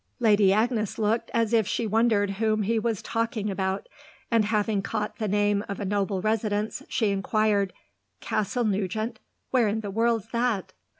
Lady Agnes looked as if she wondered whom he was talking about, and having caught the name of a noble residence she inquired: "Castle Nugent where in the world's that?"